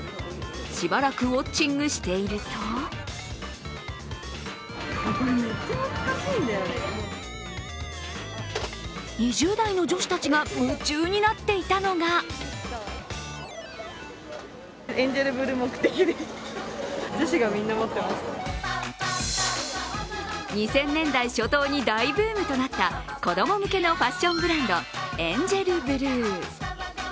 しばらくウオッチングしていると２０代の女子たちが夢中になっていたのが２０００年代初頭に大ブームとなった子ども向けのファッションブランド、エンジェルブルー。